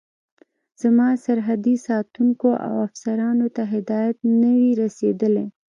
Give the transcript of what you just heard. زما سرحدي ساتونکو او افسرانو ته هدایت نه وي رسېدلی.